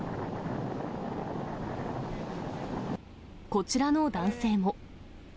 こちらの男性も。